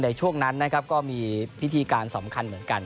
ในช่วงนั้นนะครับก็มีพิธีการสำคัญเหมือนกัน